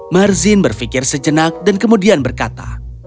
marzin berpikir sejenak dan kemudian berkata